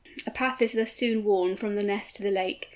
A path is soon thus worn from the nest to the lake.